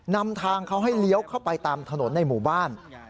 นำทางเขาให้เลี้ยวเข้าไปตามถนนในหมู่บ้าน